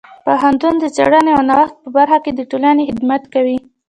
پوهنتون د څیړنې او نوښت په برخه کې د ټولنې خدمت کوي.